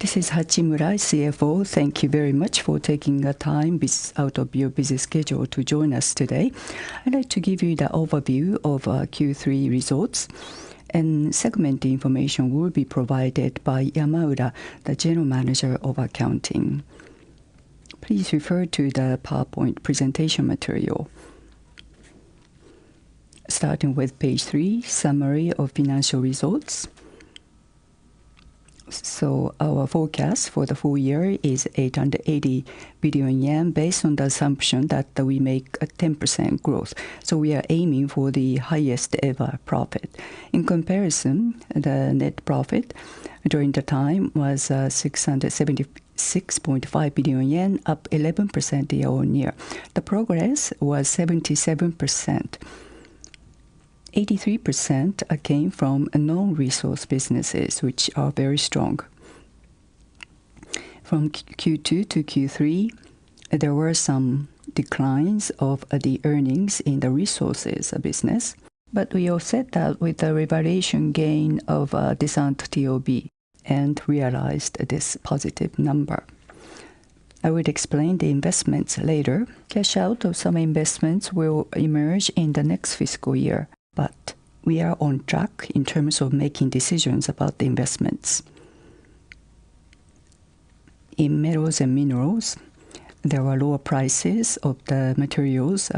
This is Hachimura, CFO. Thank you very much for taking the time out of your busy schedule to join us today. I'd like to give you the overview of our Q3 results, and segment information will be provided by Yamaura, the General Manager of Accounting. Please refer to the PowerPoint presentation material. Starting with page three, summary of financial results. Our forecast for the full year is 880 billion yen based on the assumption that we make a 10% growth. We are aiming for the highest-ever profit. In comparison, the net profit during the time was 676.5 billion yen, up 11% year on year. The progress was 77%. 83% came from non-resource businesses, which are very strong. From Q2 to Q3, there were some declines of the earnings in the resources business, but we all said that with the revaluation gain of Descente TOB and realized this positive number. I will explain the investments later. Cash out of some investments will emerge in the next fiscal year, but we are on track in terms of making decisions about the investments. In Metals & Minerals, there were lower prices of the materials,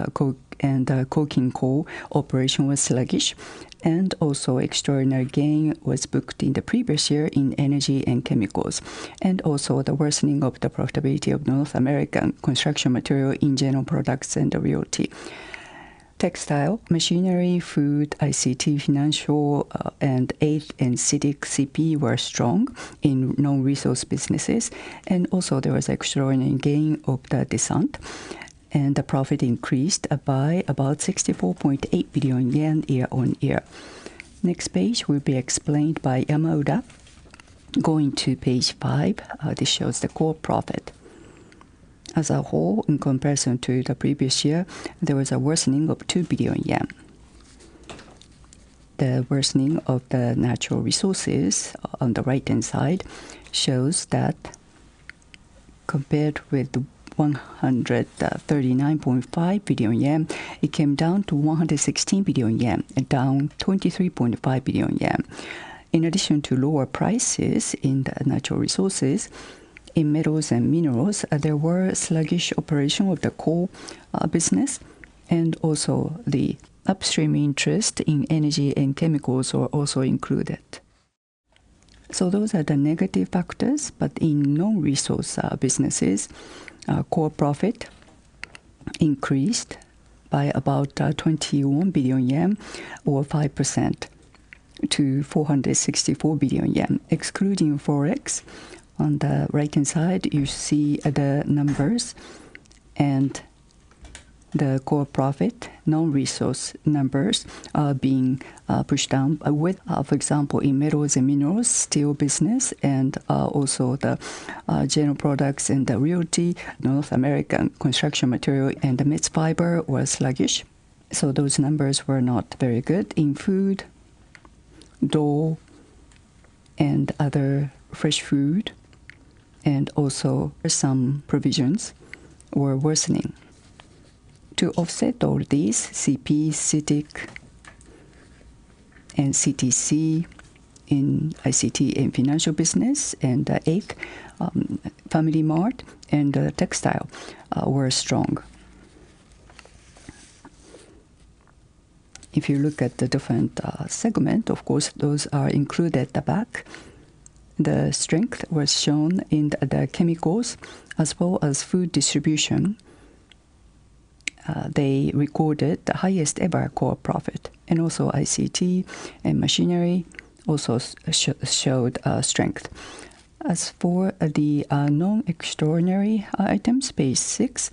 and the coking coal operation was sluggish. Also, extraordinary gain was booked in the previous year in Energy & Chemicals, and also the worsening of the profitability of North American construction material in General Products & Realty. Textile, Machinery, Food, ICT, Financial, and other, including CP were strong in non-resource businesses, and also there was extraordinary gain of the Descente, and the profit increased by about 64.8 billion yen year on year. Next page will be explained by Yamaura. Going to page five, this shows the core profit. As a whole, in comparison to the previous year, there was a worsening of 2 billion yen. The worsening of the natural resources on the right-hand side shows that compared with 139.5 billion yen, it came down to 116 billion yen, down 23.5 billion yen. In addition to lower prices in the natural resources, in Metals & Minerals, there were sluggish operations of the coal business, and also the upstream interest in Energy & Chemicals were also included. So those are the negative factors, but in non-resource businesses, core profit increased by about 21 billion yen, or 5%, to 464 billion yen. Excluding forex, on the right-hand side, you see the numbers, and the core profit non-resource numbers are being pushed down with, for example, in Metals & Minerals, steel business, and also the General Products & Realty, North American construction material, and the mixed fiber were sluggish, so those numbers were not very good. In food, Dole and other fresh food, and also some provisions were worsening. To offset all these, CP, CITIC, and CTC in ICT & Financial Business, and The 8th, FamilyMart, and the textile were strong. If you look at the different segment, of course, those are included at the back. The strength was shown in the chemicals as well as food distribution. They recorded the highest-ever core profit, and also ICT and machinery also showed strength. As for the non-extraordinary items, page six,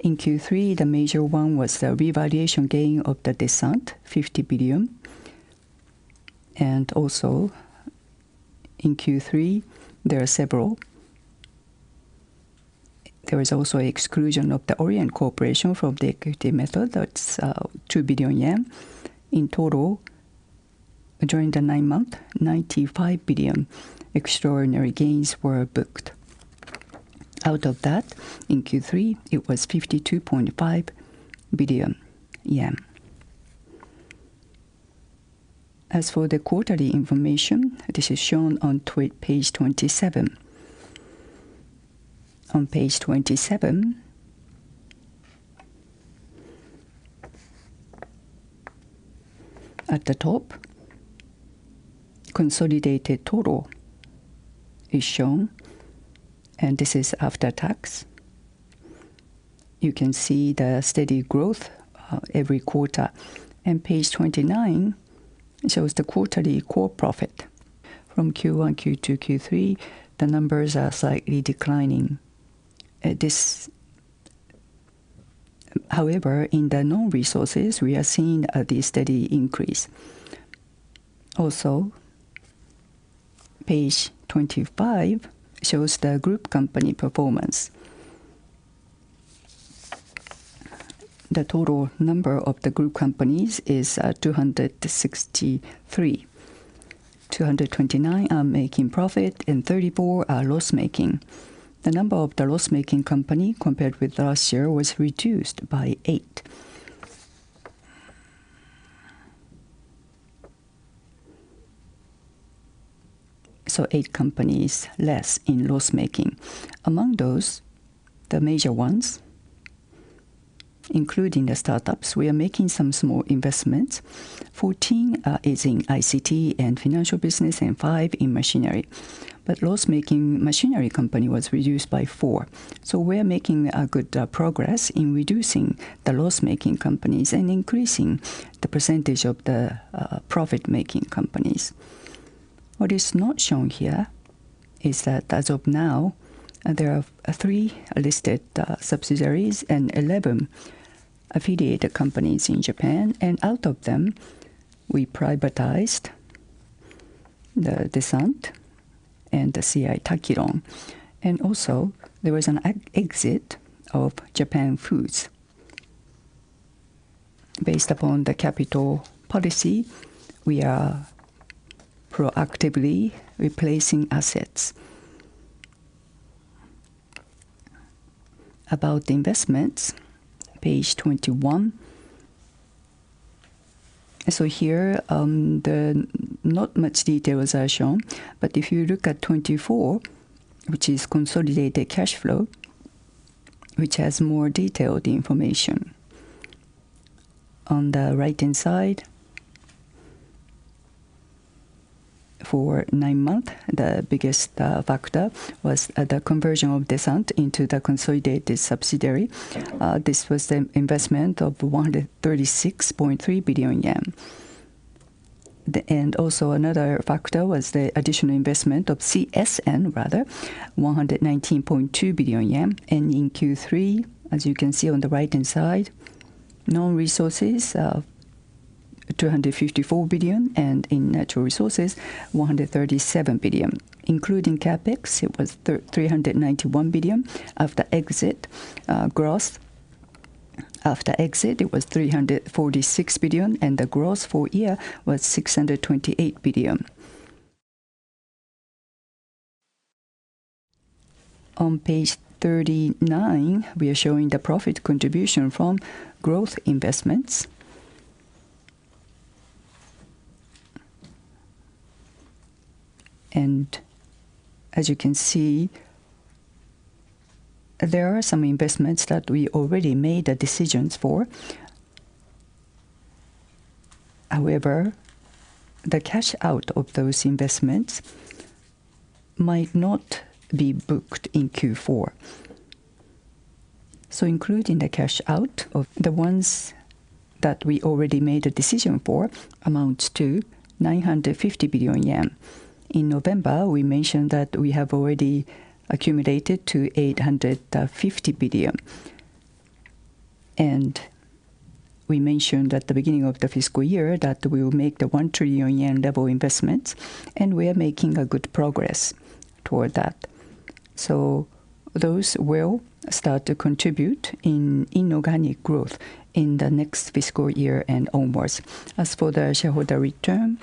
in Q3, the major one was the revaluation gain of Descente, 50 billion, and also in Q3, there are several. There was also exclusion of the Orient Corporation from the equity method. That's 2 billion yen. In total, during the nine months, 95 billion extraordinary gains were booked. Out of that, in Q3, it was 52.5 billion yen. As for the quarterly information, this is shown on page 27. On page 27, at the top, consolidated total is shown, and this is after tax. You can see the steady growth every quarter, and page 29 shows the quarterly core profit. From Q1, Q2, Q3, the numbers are slightly declining. However, in the non-resources, we are seeing the steady increase. Also, page 25 shows the group company performance. The total number of the group companies is 263. 229 are making profit, and 34 are loss-making. The number of the loss-making company compared with last year was reduced by eight, so eight companies less in loss-making. Among those, the major ones, including the startups, we are making some small investments. 14 is in ICT & Financial Business, and five in machinery. But loss-making machinery company was reduced by four, so we are making good progress in reducing the loss-making companies and increasing the percentage of the profit-making companies. What is not shown here is that as of now, there are three listed subsidiaries and 11 affiliated companies in Japan, and out of them, we privatized Descente and C.I. Takiron, and also there was an exit of Japan Foods. Based upon the capital policy, we are proactively replacing assets. About the investments, page 21. So here, not much detail is shown, but if you look at 24, which is consolidated cash flow, which has more detailed information. On the right-hand side, for nine months, the biggest factor was the conversion of Descente into the consolidated subsidiary. This was the investment of 136.3 billion yen. And also, another factor was the additional investment of CSN, rather, 119.2 billion yen. And in Q3, as you can see on the right-hand side, non-resources 254 billion, and in natural resources, 137 billion. Including CapEx, it was 391 billion. After exit, gross. After exit, it was 346 billion, and the gross for year was 628 billion. On page 39, we are showing the profit contribution from growth investments. And as you can see, there are some investments that we already made decisions for. However, the cash out of those investments might not be booked in Q4. Including the cash out of the ones that we already made a decision for, amounts to 950 billion yen. In November, we mentioned that we have already accumulated to 850 billion. We mentioned at the beginning of the fiscal year that we will make the 1 trillion yen level investments, and we are making good progress toward that. Those will start to contribute in inorganic growth in the next fiscal year and onwards. As for the shareholder return,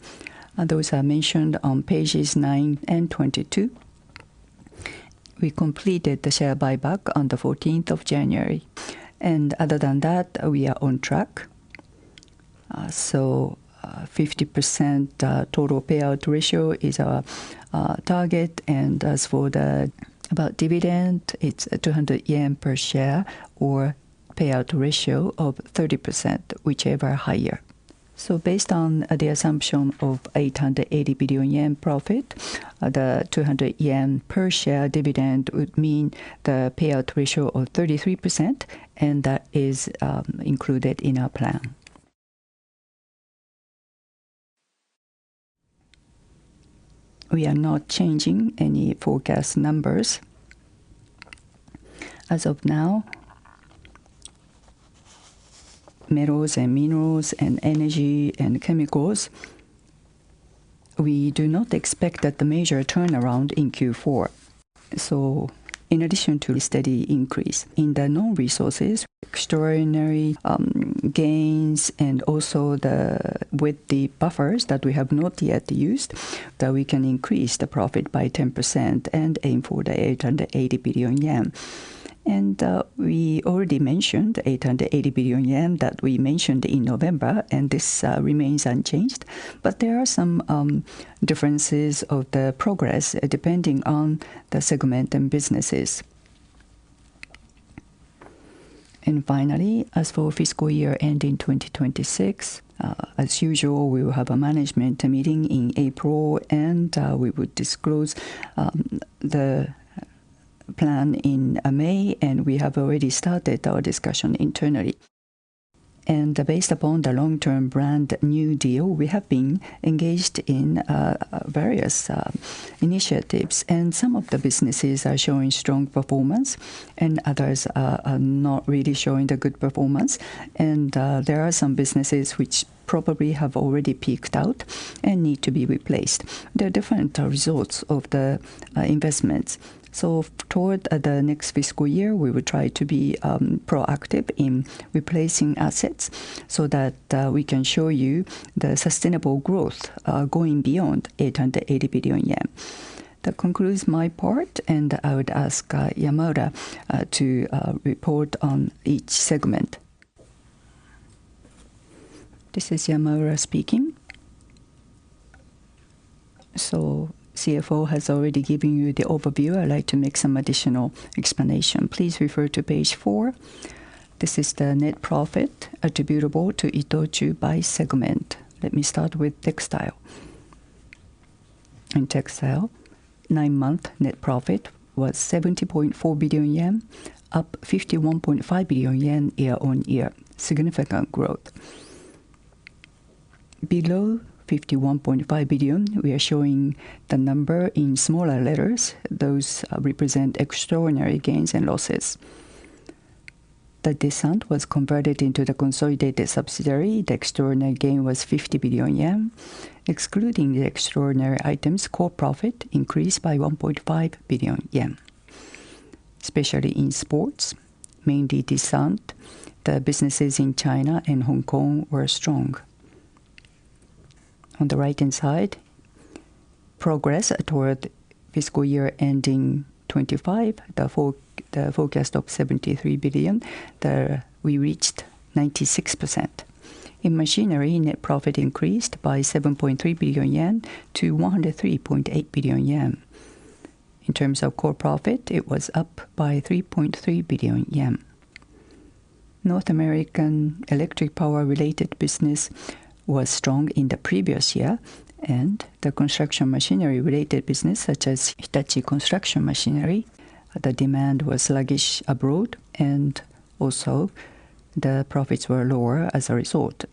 those are mentioned on pages 9 and 22. We completed the share buyback on the 14th of January. Other than that, we are on track. 50% total payout ratio is our target. As for the dividend, it's 200 yen per share, or payout ratio of 30%, whichever higher. Based on the assumption of 880 billion yen profit, the 200 yen per share dividend would mean the payout ratio of 33%, and that is included in our plan. We are not changing any forecast numbers. As of now, Metals & Minerals and Energy & Chemicals, we do not expect that the major turnaround in Q4. In addition to a steady increase in the non-resources, extraordinary gains, and also with the buffers that we have not yet used, we can increase the profit by 10% and aim for the 880 billion yen. We already mentioned 880 billion yen that we mentioned in November, and this remains unchanged, but there are some differences of the progress depending on the segment and businesses. Finally, as for fiscal year ending 2026, as usual, we will have a management meeting in April, and we will disclose the plan in May, and we have already started our discussion internally. Based upon the long-term Brand-new Deal, we have been engaged in various initiatives, and some of the businesses are showing strong performance, and others are not really showing the good performance. There are some businesses which probably have already peaked out and need to be replaced. There are different results of the investments. Toward the next fiscal year, we will try to be proactive in replacing assets so that we can show you the sustainable growth going beyond 880 billion yen. That concludes my part, and I would ask Yamaura to report on each segment. This is Yamaura speaking. CFO has already given you the overview. I'd like to make some additional explanation. Please refer to page four. This is the net profit attributable to ITOCHU by segment. Let me start with textile. In Textile, nine-month net profit was 70.4 billion yen, up 51.5 billion yen year on year. Significant growth. Below 51.5 billion, we are showing the number in smaller letters. Those represent extraordinary gains and losses. The Descente was converted into the consolidated subsidiary. The extraordinary gain was 50 billion yen. Excluding the extraordinary items, core profit increased by 1.5 billion yen, especially in sports, mainly Descente. The businesses in China and Hong Kong were strong. On the right-hand side, progress toward fiscal year ending 2025, the forecast of 73 billion, we reached 96%. In machinery, net profit increased by 7.3 billion yen to 103.8 billion yen. In terms of core profit, it was up by 3.3 billion yen. North American electric power-related business was strong in the previous year, and the construction machinery-related business, such as Hitachi Construction Machinery, the demand was sluggish abroad, and also the profits were lower as a result.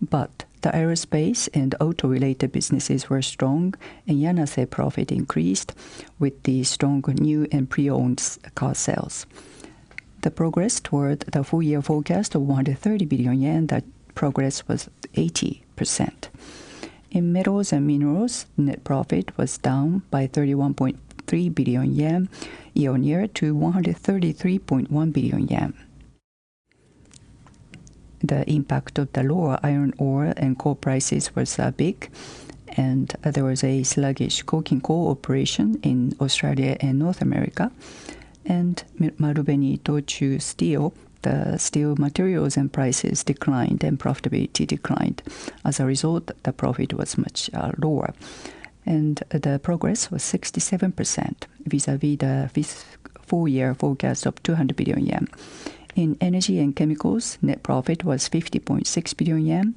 But the aerospace and auto-related businesses were strong, and Yanase profit increased with the strong new and pre-owned car sales. The progress toward the full-year forecast of 130 billion yen, that progress was 80%. In Metals & Minerals, net profit was down by 31.3 billion yen year on year to 133.1 billion yen. The impact of the lower iron ore and coal prices was big, and there was a sluggish coking coal operation in Australia and North America. And Marubeni-Itochu Steel, the steel materials and prices declined, and profitability declined. As a result, the profit was much lower, and the progress was 67% vis-à-vis the full-year forecast of 200 billion yen. In Energy & Chemicals, net profit was 50.6 billion yen,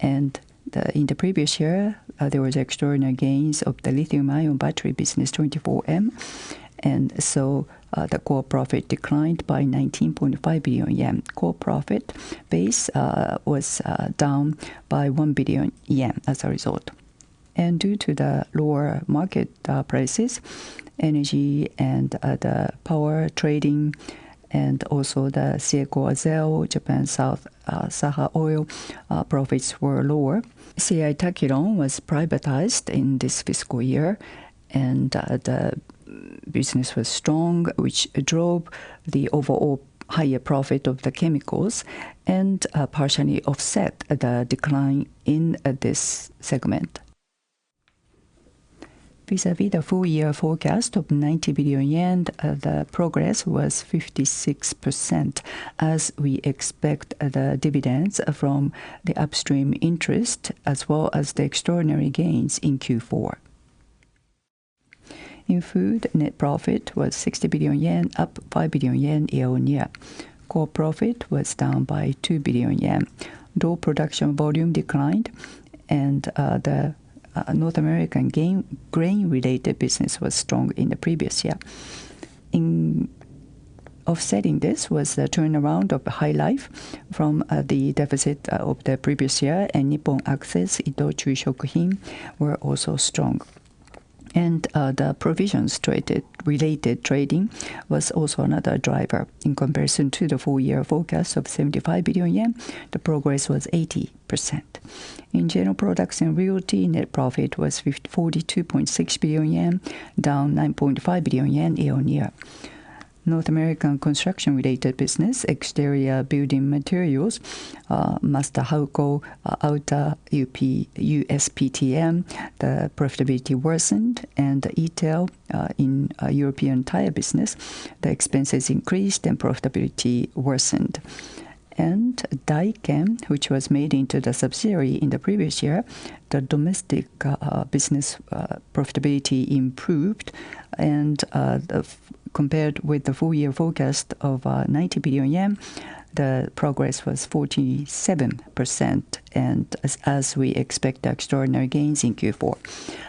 and in the previous year, there were extraordinary gains of the lithium-ion battery business 24M, and so the core profit declined by 19.5 billion yen. Core profit base was down by 1 billion yen as a result, and due to the lower market prices, energy and the power trading, and also the CIECO Azer, Japan South Sakha Oil profits were lower. C.I. Takiron was privatized in this fiscal year, and the business was strong, which drove the overall higher profit of the chemicals and partially offset the decline in this segment. Vis-à-vis the full-year forecast of 90 billion yen, the progress was 56%, as we expect the dividends from the upstream interest as well as the extraordinary gains in Q4. In food, net profit was 60 billion yen, up 5 billion yen year on year. Core profit was down by 2 billion yen. Dole production volume declined, and the North American grain-related business was strong in the previous year. Offsetting this was the turnaround of the HyLife from the deficit of the previous year, and Nippon Access, ITOCHU Shokuhin were also strong. The provisions related trading was also another driver. In comparison to the full-year forecast of 75 billion yen, the progress was 80%. In General Products & Realty, net profit was 42.6 billion yen, down 9.5 billion yen year on year. North American construction-related business, exterior building materials, Master-Halco, Alta, USPTM, the profitability worsened, and ETEL in European tire business, the expenses increased and profitability worsened. Daiken, which was made into the subsidiary in the previous year, the domestic business profitability improved, and compared with the full-year forecast of 90 billion yen, the progress was 47%, and as we expect the extraordinary gains in Q4.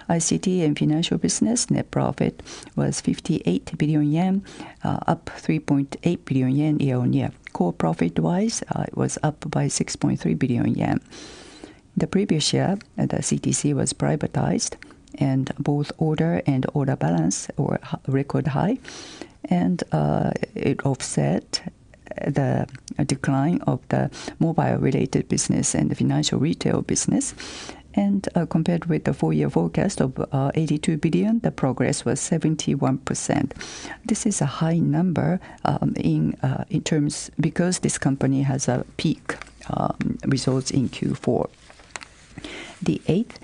ICT & Financial Business, net profit was 58 billion yen, up 3.8 billion yen year on year. Core profit-wise, it was up by 6.3 billion yen. The previous year, the CTC was privatized, and both order and order balance were record high, and it offset the decline of the mobile-related business and the financial retail business. Compared with the full-year forecast of 82 billion, the progress was 71%. This is a high number in terms because this company has a peak result in Q4. The 8th,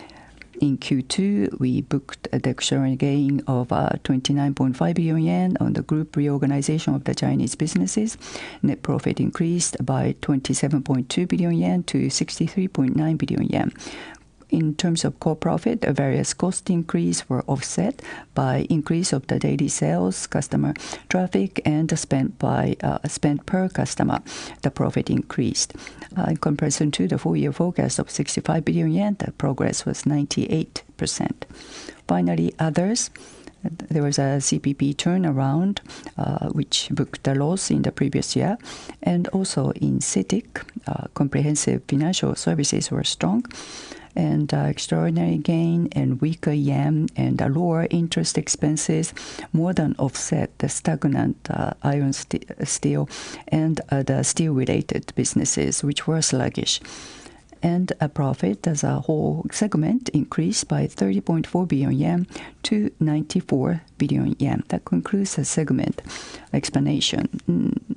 in Q2, we booked an extraordinary gain of 29.5 billion yen on the group reorganization of the Chinese businesses. Net profit increased by 27.2 billion yen to 63.9 billion yen. In terms of core profit, various cost increases were offset by increase of the daily sales, customer traffic, and spent per customer. The profit increased. In comparison to the full-year forecast of 65 billion yen, the progress was 98%. Finally, others, there was a CPP turnaround, which booked the loss in the previous year, and also in CITIC, comprehensive financial services were strong, and extraordinary gain and weaker yen and lower interest expenses more than offset the stagnant iron and steel and the steel-related businesses, which were sluggish, and profit as a whole segment increased by 30.4 billion yen to 94 billion yen. That concludes the segment explanation.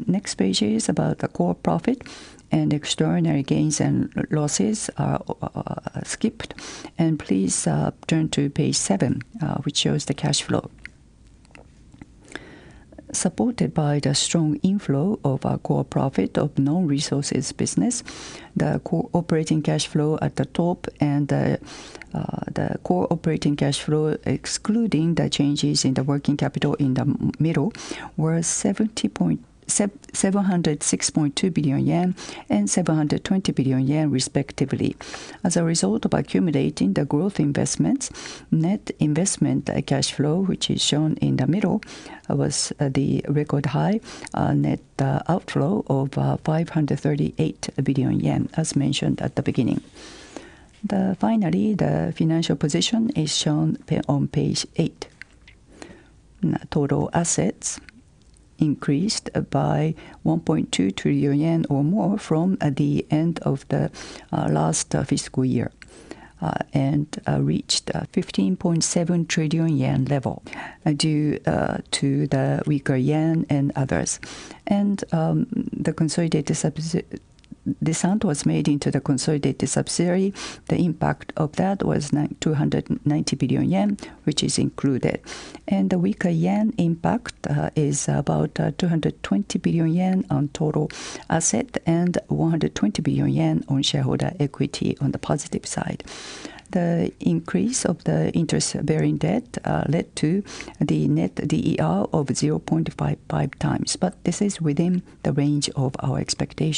Next page is about the core profit, and extraordinary gains and losses are skipped, and please turn to page seven, which shows the cash flow. Supported by the strong inflow of core profit of non-resources business, the core operating cash flow at the top and the core operating cash flow, excluding the changes in the working capital in the middle, were 76.2 billion yen and 720 billion yen, respectively. As a result of accumulating the growth investments, net investment cash flow, which is shown in the middle, was the record high net outflow of 538 billion yen, as mentioned at the beginning. Finally, the financial position is shown on page eight. Total assets increased by 1.2 trillion yen or more from the end of the last fiscal year and reached 15.7 trillion yen level due to the weaker yen and others. The consolidated Descente was made into the consolidated subsidiary. The impact of that was 290 billion yen, which is included. The weaker yen impact is about 220 billion yen on total asset and 120 billion yen on shareholder equity on the positive side. The increase of the interest-bearing debt led to the net DER of 0.55 times, but this is within the range of our expectations.